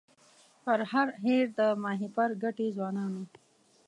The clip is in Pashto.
پر هر هېر د ماهیپر ګټي ځوانانو